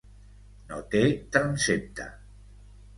No té transsepte.